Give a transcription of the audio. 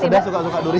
sedah suka suka durian